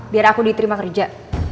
biar aku diterima kerja